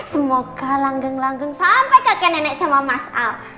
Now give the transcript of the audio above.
semoga langgeng langgeng sampai kakek nenek sama mas al